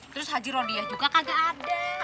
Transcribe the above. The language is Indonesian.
terus haji rodiah juga kagak ada